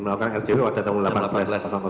waktu datang delapan belas itu